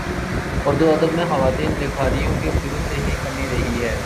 اردو ادب میں خواتین لکھاریوں کی شروع ہی سے کمی رہی ہے